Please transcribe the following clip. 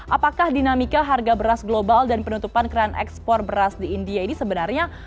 apakah dinamika harga beras global dan penutupan keran ekspor beras di india ini sebenarnya